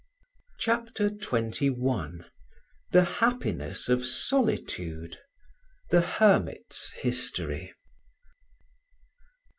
CHAPTER XXI THE HAPPINESS OF SOLITUDE—THE HERMIT'S HISTORY.